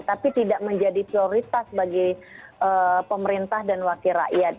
tapi tidak menjadi prioritas bagi pemerintah dan wakil rakyat